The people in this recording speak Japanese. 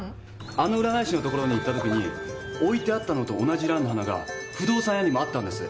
あの占い師のところに行ったときに置いてあったのと同じランの花が不動産屋にもあったんです。